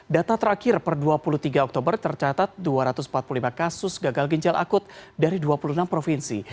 data terakhir per dua puluh tiga oktober tercatat dua ratus empat puluh lima kasus gagal ginjal akut dari dua puluh enam provinsi